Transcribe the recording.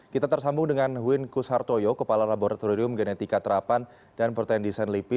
kita tersambung dengan win kusartoyo kepala laboratorium genetika terapan dan pertanian desain lipi